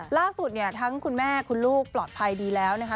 ล่าสุดเนี่ยทั้งคุณแม่คุณลูกปลอดภัยดีแล้วนะคะ